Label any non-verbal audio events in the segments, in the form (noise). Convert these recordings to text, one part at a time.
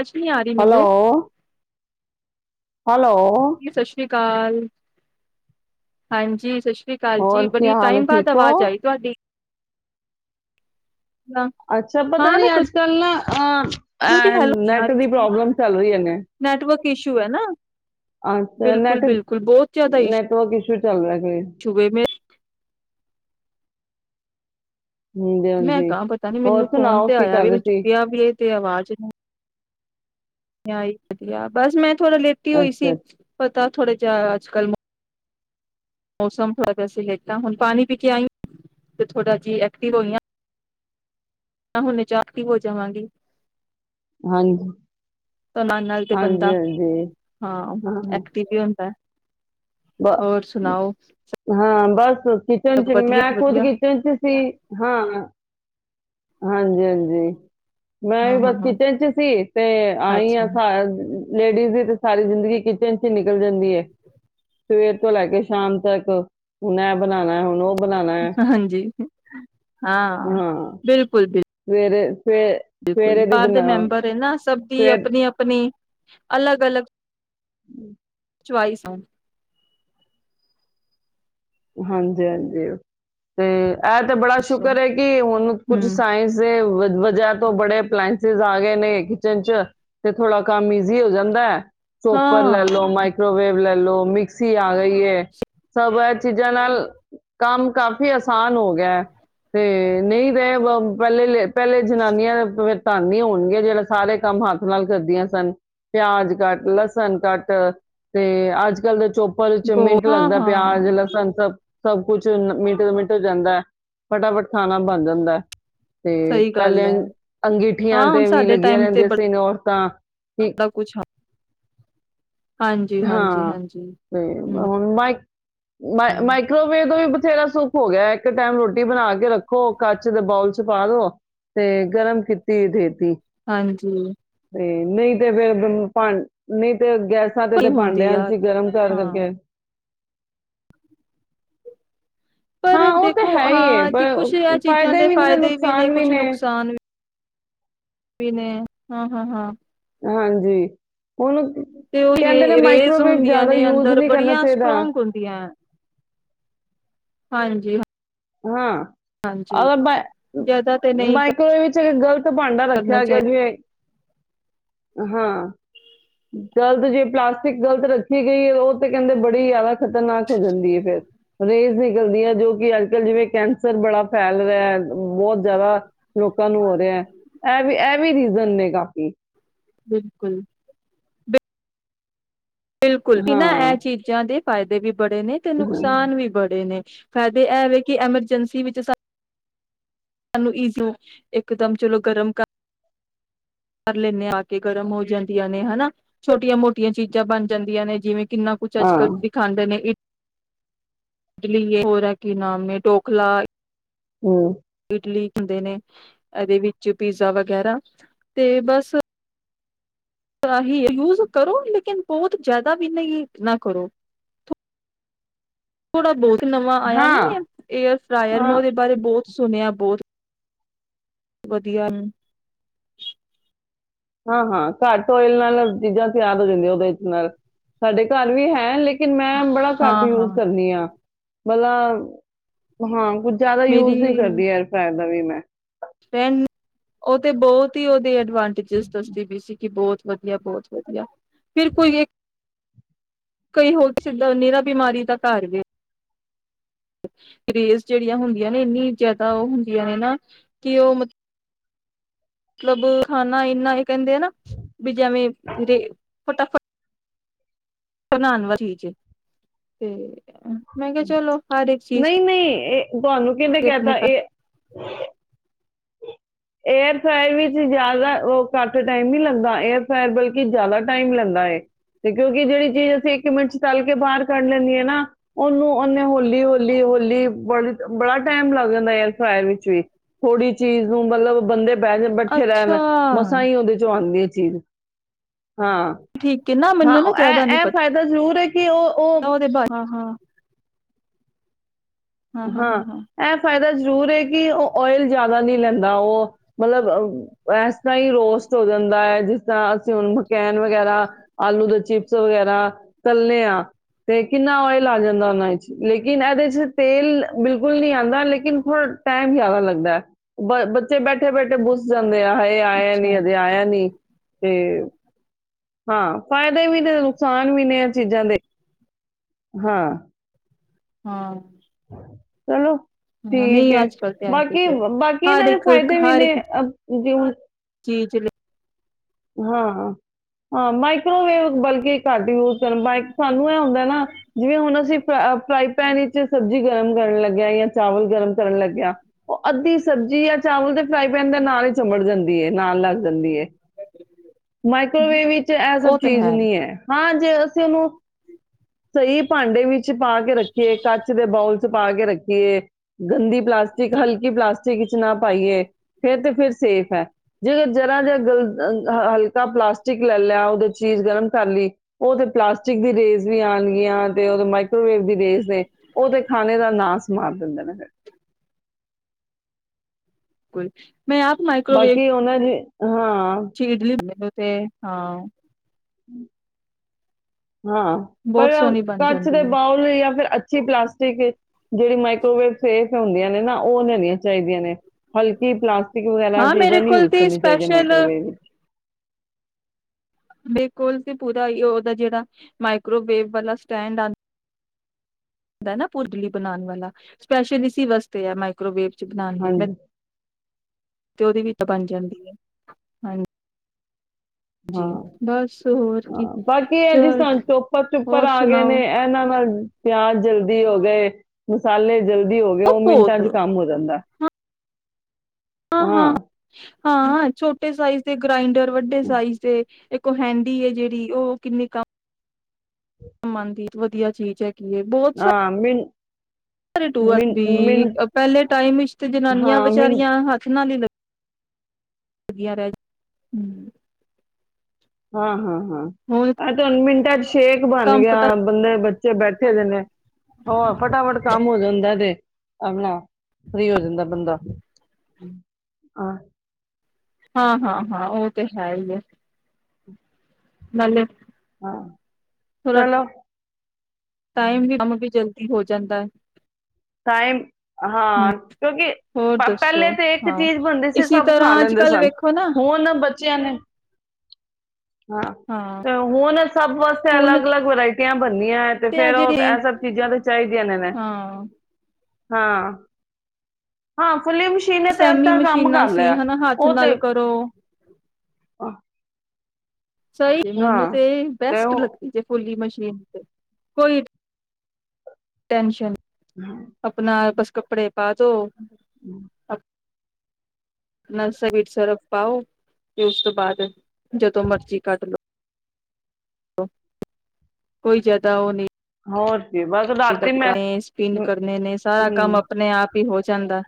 ਅੱਜ ਨਹੀਂ ਆ ਰਹੀ ਮੈਨੂੰ ਹੈਲੋ, ਕਾਲ। ਹਾਂਜੀ, ਸਤਿ੍ਰੀ। ਸਤਿ ਸ਼੍ਰੀ ਅਕਾਲ ਜੀ ਬੜੀ ਟਾਈਮ ਬਾਅਦ ਆਵਾਜ਼ ਆਈ ਤੁਹਾਡੀ ਹਾਂ ਅੱਛਾ। ਪਤਾ ਨੀ ਨਾ ਅੱਜ -ਕੱਲ ਨਾ ਹ ਕਦੋਂ ਦੀ ਐ ਹੈਲੋ ਨੀ ਆ ਨੈਟ ਰਹੀ ਦੀ ਸੀ ਪ੍ਰੋਬਲਮ ਚੱਲ ਰਹੀਆਂ ਨੇ। ਨੈਟਵਰਕ ਇਸ਼ੂ ਹੈ ਨਾ ਅੱਛਾ। ਬਿਲਕੁਲ ਨੈਟ ਬਿਲਕੁਲ ਬਹੁਤ ਜ਼ਿਆਦਾ -ਨੈਟਵਰਕ ਇਸ਼ੂ ਚੱਲ ਰਿਹਾ ਕੋ ਇਸ਼ੂ ਏ ਮੈਂ ਮੈਂ ਕਿਹਾ ਪਤਾ ਨੀ ਮੈਨੂੰ ਫੋਨ ਤੇ ਆਇਆ ਵੀ ਮੈਂ ਚੁੱਕਿਆ ਵੀ ਇਹ ਤੇ ਆਵਾਜ਼ ਯ ਹੀ ਵਧੀਆ। ਬਸ ਮੈਂ ਥੋੜਾ ਲੇਟੀ ਹੋਈ ਸੀ ਤਾਂ ਥੋੜ੍ਹਾ ਜਿਹਾ ਅੱਜ ਕੱਲ ਮੌਸਮ ਥੋੜ੍ਹਾ ਜਿਸੇ ਹੇਕਾਂ ਹੁਣ ਪਾਣੀ ਪੀ ਕੇ ਆਈਆਂ ਤੇ ਥੋੜ੍ਹਾ ਜਿਹੀ ਐਕਟਿਵ ਹੋਈਆਂ ਹੁਣ ਚਾਹ ਪੀ ਕੇ ਹੋ ਜਾਵਾਂਗੀ ਨਾਲ ਨਾਲ ਤੇ ਬੰਦਾ ਹਾਂ ਐਕਟਿਵ ਵੀ ਹੁੰਦਾ ਬ ਹੋਰ ਸੁਣਾਓ ਹਾਂ ਬਸ ਹ ਕਿਚਨ ਸਭ ਚ ਵਧੀਆ ਮੈਂ ਖੁਦ ਵਧੀਆ ਕਿਚਨ ਚ ਸੀ ਹਾਂ ਹਾਂਜੀ ਹਾਂਜੀ ਮੈਂ ਹਾਂ ਵੀ ਹਾਂ ਬਸ ਹਾਂ ਕਿਚਨ ਚ ਸੀ ਤੇ ਆਈ ਅੱਛਾ ਆ ਸ ਲੇਡੀਜ਼ ਦੀ ਤੇ ਸਾਰੀ ਜ਼ਿੰਦਗੀ ਕਿਚਨ ਚ ਹੀ ਨਿਕਲ ਜਾਂਦੀ ਹੈ ਸਵੇਰ ਤੋਂ ਲੈ ਕੇ ਸ਼ਾਮ ਤੱਕ ਹੁਣ ਬਣਾਉਣਾ ਹੁਣ ਉਹ ਬਣਾਉਣਾ ਹੈ ਹਾਂਜੀ ਹਾਂ ਬਿਲਕੁਲ ਬਿਲਕੁਲ ਸਵੇਰੇ ਸਵੇ ਬਿਲਕੁਲ ਸਵੇਰੇ ਦੀ ਬਾਰ ਦੇ ਬਣਾ ਮੈਂਬਰ ਨਾ ਸਭ ਦੀ ਸਵੇ ਆਪਣੀ ਆਪਣੀ ਅਲਗ ਅਲੱਗ ਹਮ ਚੁਵਾਈ ਸੌ ਹਾਂਜੀ ਹਾਂਜੀ ਤੇ ਇਹ ਤੇ ਬੜਾ ਦੱਸੋ ਸ਼ੁਕਰ ਹੈ ਕਿ ਹੁਣ ਕੁੱਝ ਹਮ ਸਾਇੰਸ ਦੇ ਵਜ੍ਹਾ ਤੋਂ ਬੜੇ ਅਪਲਾਇੰਸਿਸ ਆ ਗਏ ਨੇ ਕਿਚਨ ਚ ਤੇ ਥੋੜਾ ਕੰਮ ਈਜ਼ੀ ਹੋ ਜਾਂਦਾ ਹੈ ਚੋਪਰ ਲੈ ਲ ਲੋ ਹਾਂ ਮਾਈਕ੍ਰੋਵੇਵ ਲੈ ਲ ਮਿਕਸੀ ਆ ਗਈ ਹੈ ਸਭ ਚੀਜ਼ਾਂ ਨਾਲ ਕੰਮ ਕਾਫੀ ਆਸਾਨ ਹੋ ਗਿਆ ਤੇ ਨਹੀਂ ਰਹੇ ਪਹਿਲੇ ਪਹਿਲੇ ਜਨਾਨੀਆਂ ਪਵਤਾਨੀ ਹੋਣਗੇੀਆਂ ਜਿਹੜਾ ਸਾਰੇ ਕੰਮ ਹੱਥ ਨਾਲ ਕਰਦੀਆਂ ਸਨ ਪਿਆਜ ਲਸਨ ਕਟ ਤੇ ਅੱਜ ਕੱਲ ਦੇ ਚੋਪਲ ਚ ਬੋ ਮਿੰਟ ਹਾਂ ਲੱਗਦਾ ਹਾਂ ਪਿਆਜ ਲ ਸਭ ਕੁਛ ਮੀਟਰ ਮੀਟਰ ਜਾਂਦਾ ਹੈ ਫਟਾਫਟ ਖਾਣਾ ਬਣ ਜਾਂਦਾ ਹੈ ਤੇ ਸਹੀ ਗੱਲ ਪਹਿਲੇ ਹੈ ਅੰਗਠੀਆਂ ਹਾਂ ਹੁਣ ਤੇ ਵੀ ਲੱਗੀਆਂ ਰਹਦੀਆਂ ਸੀ ਔਰ ਤਾਂਾਂ ਜਿਆਦਾ ਕੁਝ ਹਾਂ ਤੇ ਹੁਣ ਮ ਮ ਹਮ ਮਾਈਕ੍ਰੋਵੇਵ ਦਾ ਵੀ ਬਥੇਰਾ ਸ ਹੋ ਗਿਆ ਇੱਕ ਟਾਈਮ ਰੋਟੀ ਬਣਾ ਕੇ ਰੱਖੋ ਕੱਚ ਦੇ ਬੋਲ ਚ ਤੁਸੀਂ ਪਾ ਦੋ ਤੇ ਗਰਮ ਕੀਤਾ ਤੀ ਦੇ ਹਾਂਜੀ। ਤੇ ਨਹੀਂ ਤੇ ਫੇਰ ਭਾਂ ਨਹੀਂ ਤੇ ਗੈਸਾਂ ਤੇ ਕੀ ਤੇ ਹੁੰਦੀ ਭਾਂਡਿਆਂ ਚ ਆ ਅਸੀਂ ਗਰਮ ਕਰ ਹਾਂ ਸਕੇ। ਪਰ ਹਾਂ ਉਹ ਤੇ ਦੇਖੋ ਹੈ ਹੀ ਹੈ ਹਾਂ ਜੀ ਪਰ ਕੁਛ ਇਹ ਚੀਜ਼ਾਂ ਫਾਇਦੇ ਦੇ ਵੀ ਨੇ ਤੇ ਫਾਇਦੇ ਵੀ ਨੇ ਨੁਕਸਾਨ ਕੁਛ ਨੁਕਸਾਨ ਵੀ ਵੀ ਨੇ ਹਾਂ- ਹਾਂ, ਹਾਂ। ਹਾਂਜੀ, ਹੁਣ ਤੇ ਉਹ ਕਹਿੰਦੇ ਨੇ ਰੇਜ਼ ਮਾਈਕ੍ਰੋਵੇਵ ਹੁੰਦੀਆਂ ਜ਼ਿਆਦਾ ਨੇ ਯੂਜ ਅੰਦਰ ਨਹੀਂ ਕਰਨਾ ਬੜੀਆਂ ਚਾਹੀਦਾ ਸਟਰੋਂਗ ਹੁੰਦੀਆਂ। ਹਾਂਜੀ, ਹਾਂ। ਹਾਂ। ਅਲ ਮ ਜਿਆਦਾ ਤੇ ਨਹੀਂ ਮਾਈਕ ਦੇ ਵਿੱਚ ਤੇ ਗਲ ਭਾਂਡਾ ਕਰਨਾ ਰੱਖਿਆ ਗਿਆ ਚਾਹੀਦਾ ਜਿਵੇਂ ਹਾਂ ਗਲਤ ਜੇ ਪਲਾਸਟਿਕ ਗ਼ਲਤ ਰੱਖੀ ਗਈ ਹੈ ਉਹ ਤੇ ਕਹਿੰਦੇ ਬੜੀ ਜ਼ਿਆਦਾ ਖ਼ਤਰਨਾਕ ਹੋ ਜਾਂਦੀ ਹੈ, ਫੇਰ ਰੇਜ਼ ਨਿਕਲਦੀ ਹੈ ਜੋ ਕਿ ਅੱਜ ਜਿਵੇਂ ਕਹਿਣ ਸਰ ਬੜਾ ਫੈਲ ਰਿਹਾ ਬਹੁਤ ਜਿਆਦਾ ਲੋਕ ਲੋਕਾਂ ਨੂੰ ਹੋ ਰਿਹਾ ਇਹ ਵੀ ਇਹ ਵੀ ਰੀ ਨੇ ਕਾਫੀ ਬਿਲਕੁਲ। ਬਿਲਕੁਲ ਹਾਂ ਇਹਨਾਂ ਇਹ ਚੀਜ਼ਾਂ ਦੇ ਫਾਇਦੇ ਵੀ ਬੜੇ ਨੇ ਤੇ ਹਾਂ ਨੁਕਸਾਨ ਵੀ ਬੜੇ ਨੇ। ਫਾਇਦੇ ਇਹ ਵਿ ਕਿ ਐਮਰਜੈਂਸੀ ਵਿਚ ਸਾਨੂ ਸਾਨੂੰ ਇਕੋ ਇਕਦਮ ਚਲੋ ਗਰਮ ਕਰ ਕਰ ਲੈਂਦੇ ਆ ਕੇ ਗਰਮ ਹੋ ਜਾਂਦੀਆਂ ਨੇ ਹਨਾ ਛੋਟੀਆਂ ਮੋਟੀਆਂ ਚੀਜ਼ਾਂ ਬਣ ਜਾਂਦੀਆਂ ਨੇ ਜਿਵੇਂ ਕਿੰਨਾ ਕੁਛ ਅੱਜ ਕੱਲ੍ਹ ਹਾਂ ਦਿਖਾਂਦੇ ਨੇ ਇਡਲੀ ਹੋਰਾ ਕੀ ਨਾਮ ਹੈ ਡੋਕਲਾ ਹੂੰ। ਇਡਲੀ ਹੁੰਦੇ ਨੇ ਇਹਦੇ ਵਿੱਚ ਪੀਜ਼ਾ ਵਗੈਰਾ ਤੇ ਬਸ ਥੋੜਾ ਹੀ ਯੂਜ ਕਰੋ ਲੇਕਿਨ ਬਹੁਤ ਜ਼ਿਆਦਾ ਵੀ ਨਹੀਂ ਨਾ ਕਰੋ। ਥੋੜਾ ਬਹੁਤ ਨਵਾਂ ਆਇਆ ਨੀ ਹਾਂ ਹੈ ਏਅਰ ਫਰਾਇਰਰ ਮੈਂ ਹਾਂ ਉਹਦੇ ਬਾਰੇ ਬਹੁਤ ਸੁਣਿਆ ਬਹੁਤ ਵਧੀਆ ਹਾਂ, ਹਾਂ ਘੱਟ ਓਇਲ ਨਾਲ ਚੀਜ਼ਾਂ ਤਿਆਰ ਹੋ ਜਾਂਦੀਆਂ ਉਹਦੇ ਨਾਲ ਸਾਡੇ ਘਰ ਵੀ ਹੈ ਲੇ ਲੇਕਿਨ ਮੈਂ ਬੜਾ ਘੱਟ ਹਾਂ ਹਾਂ ਯੂਜ ਕਰਨੀ ਆਂ। ਬਲਾ ਹਾਂ। ਕੁਝ ਜ਼ਿਆਦਾ ਯੂਜ ਨੀ ਕਰਦੀ, ਏਅਰਫ੍ਰਾਈ ਦਾ ਵੀ ਮੈਂ। ਖਾਲੀ ਰੈਣ ਉਹ ਤੇ ਬਹੁਤ ਕਿ ਉਹਦੇ ਐਡਵਾਂਟੇਜ ਦੱਸਦੀ ਵੀ ਸੀ ਕਿ ਬਹੁਤ ਵਧੀਆ, ਬਹੁਤ ਵਧੀਆ। ਫਿਰ ਕੋਈ ਇੱਕ ਕਈ ਹੋਰ (unintelligible) ਨਿਰਾ ਬਿਮਾਰੀ ਦਾ ਘਰ ਵੀ ਰੇਜ਼ ਜਿਹੜੀਆਂ ਹੁੰਦੀਆਂ ਨੇ, ਇੰਨੀ ਜ਼ਿਆਦਾ ਉਹ ਹੁੰਦੀਆਂ ਨੇ ਨਾ ਕਿ ਉਹ ਮਤਲ ਜਦੋਂ ਖਾਣਾ ਇੰਨਾ ਏ ਕਹਿੰਦੇ ਆ ਨਾ, ਵੀ ਜਿਵੇਂ ਇਹਦੇ ਫਟਾਫਟ (unintelligible) ਚੀਜ਼ ਏ ਮੈਂ ਕਿਹਾ ਚਲੋ, ਹਰ ਇੱਕ ਚੀਜ਼ ਤੇ ਤੇ ਤੁਹਾਨੂੰ ਕਿਹਨੇ ਆਪਣੇ ਕਹਿਤਾ ਇਹ ਏਅਰ ਫਾਇਰ ਵਿੱਚ ਜਿਆਦਾ ਉਹ ਘੱਟ ਟਾਈਮ ਨੀ ਲੱਗਦਾ। ਏਅਰ ਫਾਇਰ ਬਲਕਿ ਜ਼ਿਆਦਾ ਟਾਈਮ ਲੈਂਦਾ ਹੈ ਤੇ ਕਿਉਂਕਿ ਜਿਹੜੀ ਚੀਜ਼ ਅਸੀਂ ਇੱਕ ਮਿੰਟ ਚ ਤਲ ਕੇ ਬਾਹਰ ਕੱਢ ਲੈਂਦੇ ਆ ਨਾ, ਉਹਨੂੰ ਉਨੇ ਹੋਲੀ ਹੋਲੀ ਹੋਲੀ ਬਣ ਬੜਾ ਟਾਈਮ ਲੱਗ ਜਾਂਦਾ ਯਾਰ ਫ੍ਰਾਇਰ ਵਿੱਚ ਵੀ, ਥੋੜੀ ਚੀਜ਼ ਨੂੰ ਮਤਲਬ ਬੰਦੇ ਬਹਿ ਜਾ, ਬੈਠੇ ਅੱਛਾ ਰਹਿਣ। ਮਸਾਂ ਹੀ ਉਹਦੇ ਚੋਂ ਆਣਗੇ। (unintelligible) ਹਾਂ। ਠੀਕ ਹੈ ਨਾ ਹਾਂ, ਮੈਨੂੰ ਨਾ ਜ਼ਿਆਦਾ ਇਹ ਨੀ ਇਹ ਪਤਾ ਫਾਇਦਾ ਜ਼ਰੂਰ ਏ। ਉਹਦੇ ਬਾ ਹਾਂ ਹਾਂ ਹਾਂ, ਇਹ ਫਾਇਦਾ ਇਹ ਜ਼ਰੂਰ ਹੈ ਕਿ ਉਹ ਓਇਲ ਜਿਆਦਾ ਨੀ ਲੈਂਦਾ ਉਹ। ਮਤਲਬ ਇਸ ਤਰ੍ਹਾਂ ਹੀ ਰੋਸਟ ਹੋ ਜਾਂਦਾ ਹੈ। ਜਿਸ ਤਰ੍ਹਾਂ ਅਸੀਂ ਮਕੈਨ ਵਗੈਰਾ, ਆਲੂ ਦੇ ਚਿਪਸ ਵਗੈਰਾ, ਤਲਨੇ ਆ ਤੇ ਕਿੰਨਾ ਓਇਲ ਆ ਜਾਂਦਾ ਉਹਨਾਂ ਵਿੱਚ ਲੇਕਿਨ ਇਹਦੇ ਚ ਤੇਲ ਬਿਲਕੁਲ ਨੀ ਆਉਂਦਾ। ਲੇਕਿਨ ਥੋੜਾ ਟਾਈਮ ਜ਼ਿਆਦਾ ਲੱਗਦਾ। ਬ ਬੱਚੇ ਬੈਠੇ ਬੈਠੇ ਬੁੱਸ ਜਾਂਦੇ ਆ। ਹਾਏ ਆਇਆ ਅੱਛਾ ਨੀ, ਅਜੇ ਆਇਆ ਨੀ। ਤੇ, ਹਾਂ, ਫਾਇਦੇ ਵੀ ਨੇ, ਨੁਕਸਾਨ ਵੀ ਨੇ, ਇਹ ਚੀਜ਼ਾਂ ਦੇ, ਹਾਂ। ਹਾਂ (unintelligible) ਚਲੋ ਹਾਂ ਠੀਕ ਨਹੀਂ ਹੈ। ਅੱਜ ਕੱਲ ਤੇ ਐ ਠੀਕ ਬਾਕੀ, ਹੈ ਬਾਕੀ ਹਰ ਇਹਨਾਂ ਦੇ ਇੱਕ ਫਾਇਦੇ ਵੀ ਹਰ ਨੇ। ਇੱਕ ਆ ਜਿਵ ਚੀਜ਼ ਹਾਂ, ਹਾਂ। ਮਾਈਕ੍ਰੋਵੇਵ ਬਲਕਿ ਘੱਟ ਯੂਜ ਕਰਨ ਮ ਸਾਨੂੰ ਇਹ ਹੁੰਦਾ ਨਾ, ਜਿਵੇਂ ਹੁਣ ਅਸੀਂ ਫ ਫਰਾਈ ਪੈਨ ਵਿੱਚ ਸਬਜ਼ੀ ਗਰਮ ਕਰਨ ਲੱਗੇਆ ਜਾਂ ਚਾਵਲ ਗਰਮ ਕਰਨ ਲੱਗੇਆ, ਉਹ ਅੱਧੀ ਸਬਜ਼ੀ ਜਾਂ ਚਾਵਲ ਦੇ ਫਰਾਈ ਪੈਨ ਦੇ ਨਾਲ ਹੀ ਚਮੜ ਜਾਂਦੀ ਹੈ। ਨਾਲ ਲੱਗ ਜਾਂਦੀ ਹੈ। ਮਾਈਕ੍ਰੋਵੇਵ ਵਿੱਚ ਤੇ ਇਹ ਸਭ ਉਹ ਤੇ ਚੀਜ਼ ਨੀ ਹੈ ਹਾਂ ਤੇ ਅਸੀਂ ਉਹਨੂੰ ਸਹੀ ਭਾਂਡੇ ਵਿੱਚ ਪਾ ਕੇ ਰੱਖੀਏ, ਕੱਚ ਦੇ ਬਾਉਲ ਚ ਪਾ ਕੇ ਰੱਖੀਏ, ਗੰਦੀ ਪਲਾਸਟਿਕ ਹਲਕੀ ਪਲਾਸਟਿਕ ਚ ਨਾ ਪਾਈਏ, ਫੇਰ ਤੇ ਫੇਰ ਸੇਫ ਹੈ। ਜੇਕਰ ਜਰਾ ਜਾ ਗਲ ਹਲਕਾ ਪਲਾਸਟਿਕ ਲੈ ਲਿਆ ਉਹਦੇ ਚੀਜ਼ ਗਰਮ ਕਰ ਲਈ ਉਹ ਤੇ ਪਲਾਸਟਿਕ ਦੀ ਰੇਸ ਵੀ ਆਉਣਗੀਆਂ ਤੇ ਉਹਦੇ ਮਾਈਕ੍ਰੋਵੇਵ ਦੀ ਰੇਸ ਨੇ ਉਹ ਤੇ ਖਾਣੇ ਦਾ ਨਾਸ ਮਾਰ ਦਿੰਦੇ ਨੇ ਫਿਰ ਕੁਛ ਮੈਂ ਆਪ ਮਾਈਕਰੋਵੇਵ ਬਾਕੀ ਉਹਨਾਂ ਦੀ ਹਾਂ ਚੀਡਲੀ ਹੁੰਦੇ ਤੇ ਹਾਂ ਹਮ ਹਾਂ ਪਰ ਬਹੁਤ ਸੋਹਣੀ ਬਣ ਕੱਚ ਦੇ ਜਾਂਦੀ ਹੈ ਬਾਊਲ ਜਾਂ ਫਿਰ ਅੀ ਪਲਾਸਟਿਕ ਜਿਹੜੀ ਮਾਈਕੋਵੇਵ ਸੇਫ ਹੁੰਦੀਆਂ ਨੇ ਨਾ ਉਹ ਹੋਣੀਆਂ ਚਾਹੀਦੀਆਂ ਨੇ ਹਲਕੀ ਪਸ ਵਗੈਰਾ ਹਾਂ ਮੇਰੇ ਚੀਜ਼ਾਂ ਨੀ ਕੋਲ ਯੂਜ ਤੇ ਕਰਨੀੀਆ ਚਾਹੀਦੀਆ ਸਪੈਸ਼ਲ ਮਾਈਕਰੋਵੇਵ ਵਿੱਚ ਬਿਲਕੁਲ ਤੇ ਪੂਰਾ ਉਹਦਾ ਜਿਹੜਾ ਮਾਈਕ੍ਰੋਵੇਵ ਵਾਲਾ ਸਟੈਂਡ ਆ ਹੁੰਦਾ ਨਾ ਭੁਰਜੀ ਬਣਾਉਣ ਵਾਲਾ ਸਪੈਸ਼ਲ ਇਸੀ ਵਾਸਤੇ ਆ ਮਾਈਕਰੋਵੇਟ ਬਣਾਉਣ ਲਈ ਮੈਂ ਹਾਂਜੀ ਤੇ ਉਹਦੇ ਵਿੱਚ ਬਣ ਜਾਂਦੀ ਹੈ ਹਾਂਜੀ ਹਾਂ ਬਸ ਹੋਰ ਕੀ ਹਾਂ ਬਾਕੀ ਇਹ ਜੀ ਚਲ ਸਾਨੂੰ ਚੋਪਰ ਚੁਪਰ ਹੋਰ ਆ ਗਏ ਸੁਣਾਓ ਨੇ ਇਹਨਾਂ ਉਹ ਨਾਲ ਪਿਆਜ਼ ਜਲਦੀ ਹੋ ਗਏ ਮਸਾਲੇ ਜਲਦੀ ਹੋ ਗਿਆ ਉਹ ਮਿੰਟਾਂ ਬਹੁਤ ਚ ਕੰਮ ਹੋ ਜਾਂਦਾ ਹਾਂ ਹਾਂ ਛੋਟੇ ਸਾਈਜ਼ ਦੇ ਗ੍ਰਾਈੰਡਰ ਵੱਡੇ ਸਾਈਜ਼ ਦੇ ਕੁਹਿੰਡੀ ਹੈ ਜਿਹੜੀ ਉਹ ਕਿੰਨੀ ਕਮ ਨ ਦੀ ਵਧੀਆ ਚੀਜ਼ ਹੈ ਬਹੁਤ ਸ ਹਾਂ ਮਿੰਟ ਮਿੰਟ ਮਿੰਟ ਪਹਿਲੇ ਟਾਈਮ ਵਿਚ ਤੇ ਜਨਾਨੀਆਂ ਹਾਂ ਮਿੰਟ ਵਿਚਾਰੀਆਂ ਹੱਥ ਨਾਲ ਹੀ ਲੱ ਵਧੀਆ ਰਹਿ ਗਿਆ ਹਾਂ ਹਾਂ ਹਾਂ ਮ ਸ਼ੇਕ ਬਣ ਕੰਮ ਫਟਾ ਗਿਆ ਬੰਦੇ ਬੱਚੇ ਬੈਠੇ ਜ ਨੇ ਹ ਫਟਾਫਟ ਕੰਮ ਹੋ ਜਾਂਦਾ ਤੇ ਆਰਾਮ ਨਾਲ ਫਰੀ ਹੋ ਜਾਂਦਾ ਬੰਦਾ ਆ ਹਾਂ ਹਾਂ ਹਾਂ ਉਹ ਤੇ ਹੈ ਹੀ ਹੈ ਹੱਲ ਹਾਂ ਚਲੋ ਟਾਈਮ ਵੀ ਵੀ ਜਲਦੀ ਹੋ ਜਾਂਦਾ ਟਾਈਮ ਹਮ ਹਾਂ ਕਿਉਂਕਿ ਹੋਰ ਪਹਿਲੇ ਦੱਸੋ ਤਾਂ ਇੱਕ ਹਾਂ ਚੀਜ਼ ਬਣਦੀ ਸੀ ਇਸੀ ਸਭ ਖਾ ਤਰ੍ਹਾਂ ਅੱਜ ਲੈਂਦੇ ਕੱਲ ਸਨ ਵੇਖੋ ਨਾ ਹੁਣ ਬੱਚਿਆਂ ਨੇ ਹਾਂ ਤੇ ਹੁਣ ਸਭ ਵਾਸਤੇ ਹੁਣ ਅਲੱਗ ਅਲੱਗ ਵਰਾਇਟੀ ਬਣਨੀਆਂ ਹੈ ਤੇ ਆ ਫੇਰ ਉਹ ਜਿਹੜੇ ਇਹ ਸਭ ਚੀਜ਼ਾਂ ਤੇ ਚਾਹੀਦੀਆਂ ਨੇ ਨੇ ਹਾਂ ਹਾਂ ਹਾਂ ਫੁੱਲੀ ਮਸ਼ੀਨ ਨੇ ਤੇ ਸੈਮੀ ਅੱਧਾ ਕੰਮ ਮਸ਼ੀਨਾਂ ਕਰ ਸੀ ਹਨਾ ਹੱਥ ਨਾਲ ਕਰੋ ਆਹ ਸਹੀ ਮੈਨੂੰ ਤੇ ਤੇ ਬੈਸਟ ਲੱਗਦੀ ਜੇ ਫੁੱਲੀ ਮਸ਼ ਠੀਕ ਕੋਈ ਟੈੈਂਸ਼ਨ ਆਪਣਾਸ ਕੱਪੜੇ ਪਾ ਦੋ ਹਮ ਨਾਸਵਰ ਸਰਫ ਪਾਓ ਤੇ ਉਸ ਤੋਂ ਬਾਅਦ ਜਦੋਂ ਮਰਜ਼ੀ ਕੱਢ ਲੋ ਕੋਈ ਜਿਆਦਾ ਉਹ ਨਹੀਂ ਹੋਰ ਕੀ ਬਸ ਰਾਤੀ ਮੈਂ ਲਗਦਾ ਸਪਿਨ ਹੂੰ ਕਰਨੇ ਨੇ ਸਾਰਾ ਹੂੰ ਕੰਮ ਆਪਣੇ ਆਪ ਵੀ ਹੋ ਜਾਂਦਾ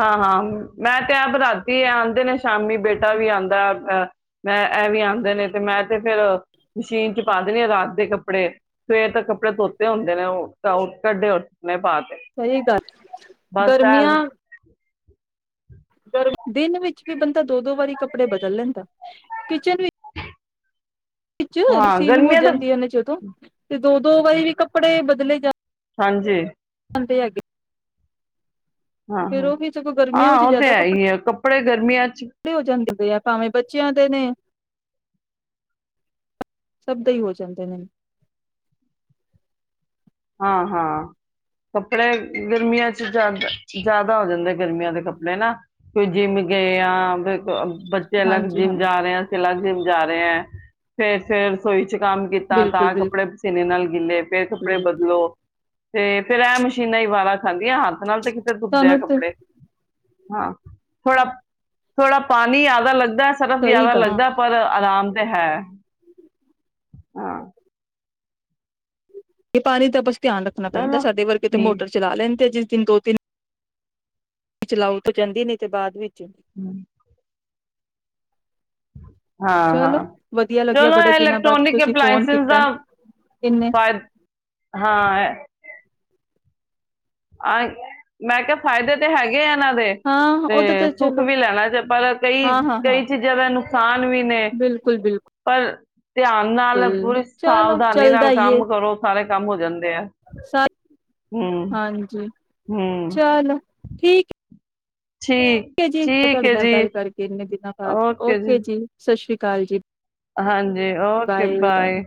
ਹਾਂ ਹਾਂ ਮੈਂ ਤੇ ਆਪ ਰਾਤੀ ਆਉਂਦੇ ਨੇ ਸ਼ਾਮੀ ਬੇਟਾ ਵੀ ਆਉਂਦਾ ਅਹ ਮੈਂ ਇਹ ਵੀ ਆਉਂਦੇ ਨੇ ਤੇ ਮੈਂ ਤੇ ਫੇਿਰ ਮਸ਼ੀਨ ਚ ਪਾ ਦੇਣੀ ਆ ਰਾਤ ਦੇ ਕੱਪੜੇ ਸਵੇਰ ਤੋਂ ਕੱਪੜੇ ਧੋਤੇ ਹੁੰਦੇ ਨੇ ਕੱਢੇ ਉੱਠਣੇ ਪਾ ਤੇ ਸਹੀ ਗੱਲ ਬਸ ਐ। ਗਰਮੀਆਂ (unintelligible) ਦਿਨ ਵਿੱਚ ਵੀ ਬੰਦਾ ਤਾਂ ਦੋ ਦੋ ਵਾਰੀ ਕੱਪੜੇ ਬਦਲ ਲੈਂਦਾ ਕਿਚਨ ਵਿੱਚ ਹਾਂ ਪਸਿੰਨ ਹੋ ਗਰਮੀਆਂ ਤਾਂ ਜਾਂਦੀਆਂ ਨੇ ਜਦੋਂ ਤੇ ਦੋ ਦੋ ਵਾਰੀ ਵੀ ਕੱਪੜੇ ਬਦਲੇ ਜਾ ਹਾਂਜੀ ਜਾਂਦੇ ਹੈਗੇ ਹਾਂ ਫੇਰ ਹਾਂ ਉਹ ਵੀ ਸਗੋਂ ਗਰਮੀਆਂ ਹਾਂ ਉਹ ਤੇ ਹੈ ਹੀ ਹੈ ਕਪੜੇ ਗਰਮੀ ਖੜੇ ਹੋ ਜਾਂਦੇ ਪ ਆ ਭਾਵੇਂ ਬੱਚਿਆਂ ਦੇ ਨੇ ਸਭ ਦੇ ਹੀ ਹੋ ਜਾਂਦੇ ਨੇ ਹਾਂ ਹਾਂ ਕੱਪੜੇ ਗਰਮੀਆਂ ਚ ਜਿਆਦਾ ਜ਼ਿਆਦਾ ਹੋ ਜਾਂਦੇ ਗਰਮੀਆਂ ਦੇ ਕੱਪੜੇ ਨਾ ਕੋਈ ਜਿੰਮ ਗਏ ਆ ਬੱਚੇ ਅਲੱਗ ਹਾਂਜੀ ਹਾਂ ਜਿੰਮ ਜਾ ਰਹੇ ਹੈ ਅਸੀਂ ਅਲੱਗ ਜਿੰਮ ਜਾ ਰਹੇ ਹ ਫ ਫ ਰਸੋਈ ਚ ਕੰਮ ਕੀਤਾ ਬਿਲਕੁਲ ਤਾਂ ਬਿਲਕੁਲ ਕੱਪੜੇ ਪਸੀਨੇ ਨਾਲ ਗਿੱਲੇ ਫੇਰ ਕੱਪੜੇ ਬਿਲਕੁਲ ਲੋ ਤੇ ਫੇਰ ਐ ਮਸ਼ੀਨਾਂ ਹੀ ਵਾਰਾਂ ਖਾਂਦ ਦੀਐ ਹਾੱਥ ਨਾਲ ਤੇ ਕਿਤੇ ਧੁੱਪਦੇ ਐ ਤੁਹਾਨੂੰ ਤੇ ਕੱਪੜੇ। ਹਾਂ, ਥੋੜਾ ਥੋੜਾ ਪਾਣੀ ਯਾਦਾ ਲੱਗ ਸਰਫ ਸਹੀ ਜੈਦਾ ਗੱਲ ਲੱਗਦੈ ਪਰ ਆਰਾਮ ਤੇ ਹੈ, ਹਾਂ। ਏ ਪਾਣੀ ਤਪਸ ਧਿਆਨ ਰੱਖਣਾ ਪੈਂਦੈ, ਚਲੋ ਸਾਡੇ ਵਰਗੇ ਤੇ ਠੀਕ ਮੋਟਰ ਚਲਾ ਲੈੰਦੇ ਐ ਜੀ। ਤਿਨਕੋ ਤਿੰਨ ਚਲਾਓ ਤੋਂ ਕੈੰਦੀ ਨੀ ਤੇ ਬਾਦ ਵਿੱ (inaudible) ਹਾਂ ਚਲੋ ਹਾਂ, ਵਧੀਆ ਲੱਗਿਆ ਚਲੋ ਬੜੇ ਐ ਦਿਨਾਂ ਬਾਅਦ ਇਲੈਕਟ੍ਰੋਨਿਕ ਤੁਸੀਂ ਫੋਨ ਅਪਲਾਇੰਸਿਸ ਦਾ ਕੀਤਾ ਇੰਨੇ ਫਾਯ ਹਾਂ ਐ ਆਏ ਮੈਂ ਕਿਆ ਫਾਇਦੇ ਤੇ ਹੈਗ ਗੇ ਐਨਾਂ ਦੇ ਹਾਂ ਤੇ ਉਹਦੇ ਸੁੱਖ ਚਲੋ ਵੀ ਲੈਣਾ ਜੇ ਪਰ ਕਈ ਹਾਂ ਹਾਂ ਹਾਂ ਕਈ ਚੀਜ਼ਾਂ ਦੈ ਨੁਕਸਾਨ ਵੀ ਨੇ, ਬਿਲਕੁਲ ਪਰ ਧਿਆਨ ਨਾਲ ਬਿਲਕੁਲ ਪੂਰੀ ਚਲੋ ਸਾਵਧਾਨੀ ਚੱਲਦਾ ਨਾਲ ਈ ਏ ਕੰਮ ਕਰੋ ਸਾਰੇ ਕੰਮ ਹੋ ਜਾਂਦੇ ਐ। (unintelligible) ਹਾਂਜੀ ਜੀ। ਹੂੰ ਚਲੋ ਠੀਕ ਠੀਕ ਹੈ ਜੀ ਮੈਂ ਤੁਹਾਡੇ ਨਾਲ ਗੱਲ ਕਰਕੇ ਇੰਨੇ ਦਿਨਾਂ ਬਾਦ, ਓਕੇ ਜੀ। ਸਤਿ ਸੀ੍ ਕਾਲ ਜੀ। ਹਾਂਜੀ, ਓਕੇ ਬਾਏ।